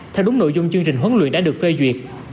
theo đúng nội dung chương trình huấn luyện đã được phê duyệt